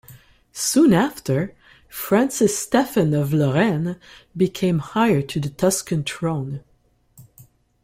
Soon after, Francis Stephen of Lorraine became heir to the Tuscan throne.